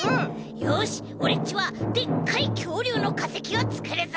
よしオレっちはでっかいきょうりゅうのかせきをつくるぞ。